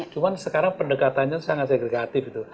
cuma sekarang pendekatannya sangat segregatif